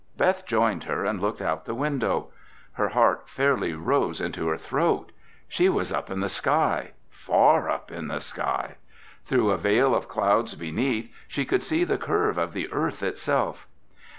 Beth joined her and looked out the window. Her heart fairly rose into her throat. She was up in the sky, far up in the sky! Through a veil of clouds beneath she could see the curve of the earth itself!